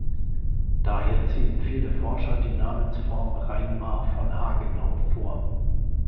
Daher ziehen viele Forscher die Namensform „Reinmar von Hagenau“ vor.